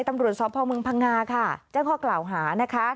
ตำรวจสพเมืองพังงาค่ะแจ้งข้อกล่าวหานะคะ